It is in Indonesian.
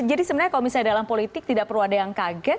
jadi sebenarnya kalau misalnya dalam politik tidak perlu ada yang kaget